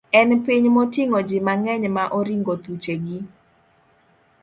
en piny moting'o ji mang'eny ma oringo thuchegi.